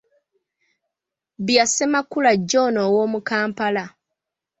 Bya Ssemakula John ow'omu Kampala.